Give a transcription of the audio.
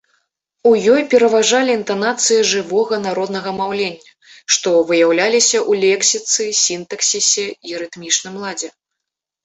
У ёй пераважалі інтанацыі жывога народнага маўлення, што выяўляліся ў лексіцы, сінтаксісе, рытмічным ладзе.